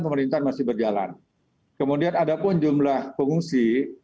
pemerintahan masih berjalan kemudian ada pun jumlah pengungsi